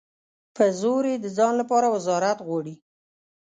په زور یې د ځان لپاره وزارت غواړي.